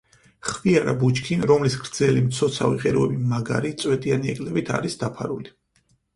ხვიარა ბუჩქი, რომლის გრძელი, მცოცავი ღეროები მაგარი, წვეტიანი ეკლებით არის დაფარული.